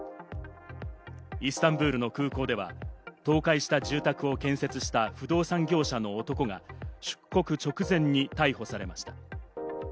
イスタンブールの空港では、倒壊した住宅を建設した、不動産業者の男が出国直前に逮捕されました。